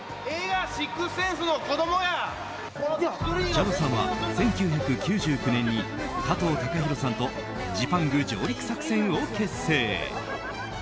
チャドさんは１９９９年に加藤貴博さんとジパング上陸作戦を結成。